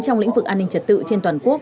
trong lĩnh vực an ninh trật tự trên toàn quốc